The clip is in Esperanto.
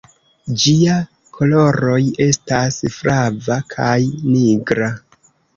Gia koloroj estas flava kaj nigra.